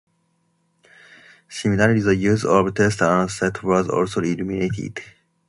Similarly, the use of test-and-set was also eliminated.